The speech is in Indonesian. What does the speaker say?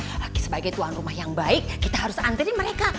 ayo pih kita anterin sebagai tuan rumah yang baik kita harus anterin mereka